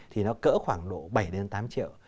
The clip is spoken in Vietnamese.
thì nó cỡ khoảng độ bảy tám triệu